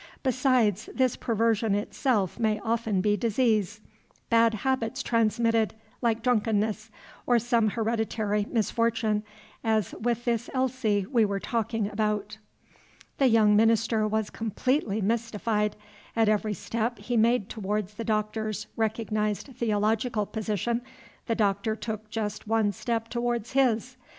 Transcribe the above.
Besides, this perversion itself may often be disease, bad habits transmitted, like drunkenness, or some hereditary misfortune, as with this Elsie we were talking about." The younger minister was completely mystified. At every step he made towards the Doctor's recognized theological position, the Doctor took just one step towards his.